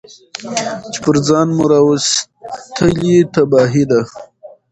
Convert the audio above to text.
چي پر ځان مو راوستلې تباهي ده